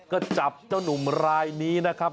ก็จับเจ้านุ่มรายนี้นะครับ